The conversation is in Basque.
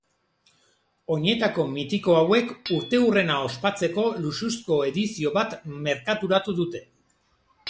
Oinetako mitiko hauek urteurrena ospatzeko luxuzko edizio bat merkaturatu dute.